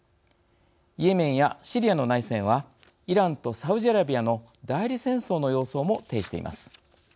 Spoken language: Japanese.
イエメンやシリアの内戦はイランとサウジアラビアの代理戦争の様相も呈しています。